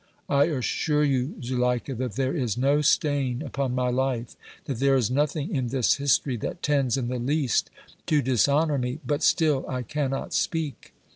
"I assure you, Zuleika, that there is no stain upon my life, that there is nothing in this history that tends in the least to dishonor me, but still I cannot speak."